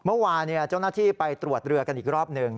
เมื่อวานเจ้าหน้าที่ไปตรวจเรือกันอีกรอบหนึ่ง